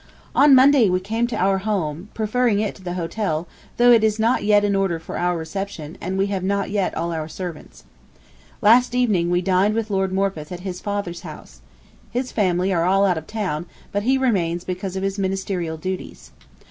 On Monday we came to our home, preferring it to the hotel, though it is not yet in order for our reception, and we have not yet all our servants. Last evening we dined with Lord Morpeth at his father's house. His family are all out of town, but he remains because of his ministerial duties.